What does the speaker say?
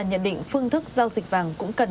nhận định phương thức giao dịch vàng cũng cần